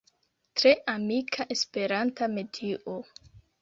Tre amika Esperanta medio.